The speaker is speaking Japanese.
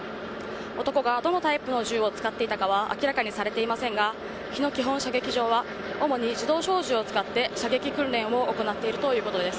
男がどのタイプの銃を使っていたかは明らかにされていませんが日野基本射撃場は主に自動小銃を使って射撃訓練を行っているということです。